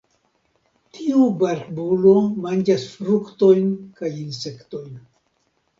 Tiu barbulo manĝas fruktojn kaj insektojn.